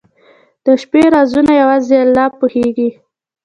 • د شپې رازونه یوازې الله پوهېږي.